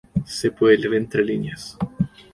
Se puede leer entre líneas.